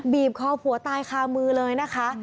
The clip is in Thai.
บีบคอผัวตายคามือเลยนะคะ